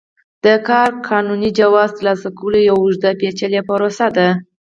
د کار قانوني جواز ترلاسه کول یوه اوږده پېچلې پروسه ده.